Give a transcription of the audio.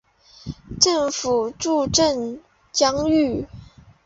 镇政府驻镇江圩。